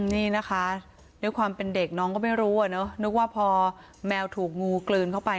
นี่นะคะด้วยความเป็นเด็กน้องก็ไม่รู้อ่ะเนอะนึกว่าพอแมวถูกงูกลืนเข้าไป